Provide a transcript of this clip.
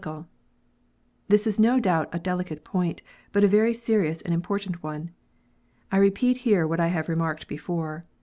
This is no doubt a delicate point, but a very serious and important one. I repeat here what I have remarked before.